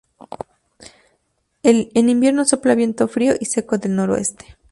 En invierno sopla viento frío y seco del noroeste.